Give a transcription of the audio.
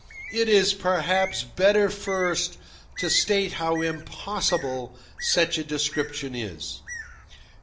It is perhaps better first to state how impossible such a description is.